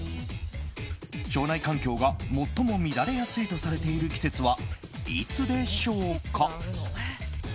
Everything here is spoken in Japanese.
腸内環境が最も乱れやすいとされている季節はいつでしょうか。